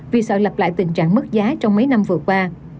vì sợ lặp lại tình trạng mất giá trong mấy năm vừa qua